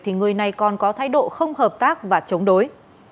thì người này còn có thái độ không hợp tác và chống đối